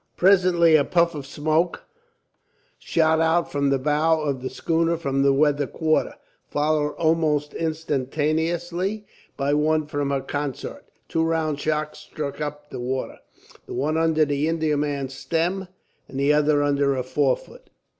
Presently a puff of smoke shot out from the bow of the schooner from the weather quarter, followed almost instantaneously by one from her consort. Two round shot struck up the water, the one under the Indiaman's stern, the other under her forefoot.